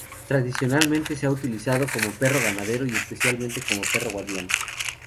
Tradicionalmente, se ha utilizado como perro ganadero y especialmente como perro guardián.